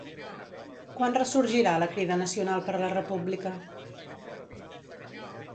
Quan ressorgirà la Crida Nacional per la República?